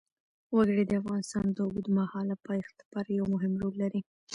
وګړي د افغانستان د اوږدمهاله پایښت لپاره یو مهم رول لري.